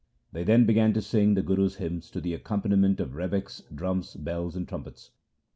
They then began to sing the Guru's hymns to the accompaniment of rebecks, drums, bells, and trumpets.